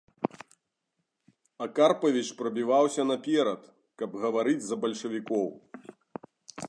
А Карпавіч прабіваўся наперад, каб гаварыць за бальшавікоў.